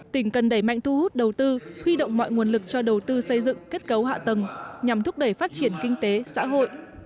tỉnh cần đẩy mạnh thu hút đầu tư huy động mọi nguồn lực cho đầu tư xây dựng kết cấu hạ tầng nhằm thúc đẩy phát triển kinh tế xã hội